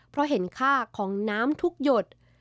เพราะเห็นค่าของน้ำทุกหยด